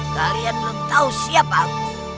kalian belum tahu siapa aku